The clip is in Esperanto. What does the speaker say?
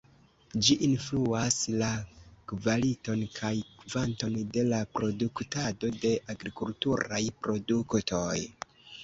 Ĝi influas la kvaliton kaj kvanton de la produktado de agrikulturaj produktoj.